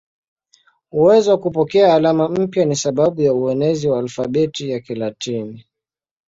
Uwezo wa kupokea alama mpya ni sababu ya uenezi wa alfabeti ya Kilatini.